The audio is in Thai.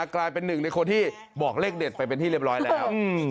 กลายเป็นหนึ่งในคนที่บอกเลขเด็ดไปเป็นที่เรียบร้อยแล้ว